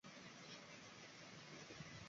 岳灰蝶属是灰蝶科眼灰蝶亚科中的一个属。